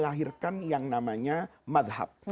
bahwa kita bisa menggunakan yang namanya mazhab